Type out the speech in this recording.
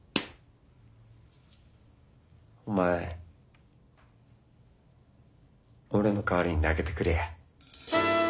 お前俺の代わりに投げてくれや。